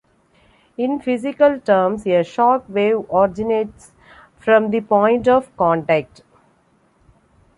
In physical terms, a shock wave originates from the point of contact.